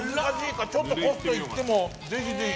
ちょっとコストいってもぜひぜひ。